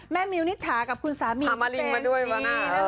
แม่มิวนิทากับคุณสามีแซงดีน่ารักมาก